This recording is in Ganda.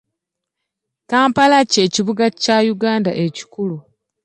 Kampala ky'ekibuga kya Uganda ekikulu.